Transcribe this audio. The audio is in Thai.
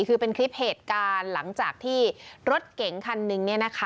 คือเป็นคลิปเหตุการณ์หลังจากที่รถเก๋งคันนึง